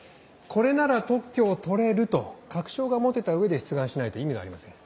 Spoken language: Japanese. これなら特許を取れると確証が持てた上で出願しないと意味がありません。